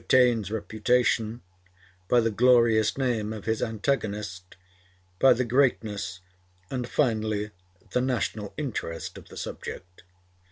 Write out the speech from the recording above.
Taine's reputation, by the glorious name of his antagonist, by the greatness, and finally the national interest of the subject.